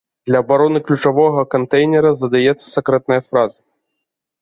Для абароны ключавога кантэйнера задаецца сакрэтная фраза.